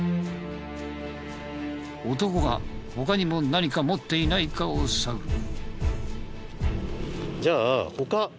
男が他にも何か持っていないかを探る。